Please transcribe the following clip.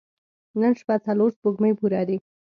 نن شپه څلور سپوږمۍ پوره دي.